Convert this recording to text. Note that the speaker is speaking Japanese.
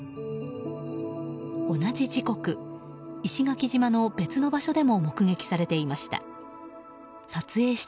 同じ時刻、石垣島の別の場所でも目撃されていました。